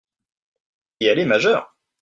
Et elle est majeure !